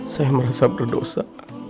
saya merasa berdosa